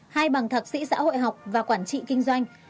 hay bằng thạc sĩ xã hội học và quản trị kinh doanh